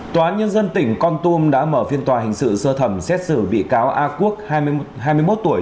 tòa án nhân dân tỉnh con tum đã mở phiên tòa hình sự sơ thẩm xét xử bị cáo a quốc hai mươi một tuổi